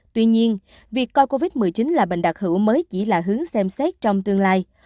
tuy nhiên việc coi covid một mươi chín là bệnh đặc hữu mới chỉ là hướng xem xét trong tương lai